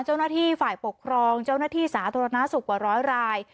เจ้าหน้าที่ฝ่ายปกครองเจ้าหน้าที่สาธารณสุขกว่าร้อยราย